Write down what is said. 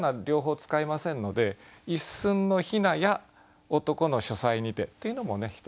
両方使いませんので「一寸の雛や男の書斎にて」というのもね